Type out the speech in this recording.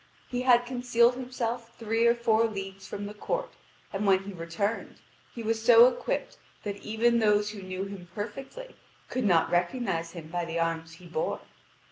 He had concealed himself three or four leagues from the court, and when he returned he was so equipped that even those who knew him perfectly could not recognise him by the arms he bore.